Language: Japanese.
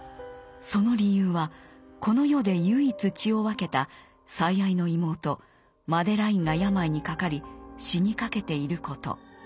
その理由はこの世で唯一血を分けた最愛の妹マデラインが病にかかり死にかけていること。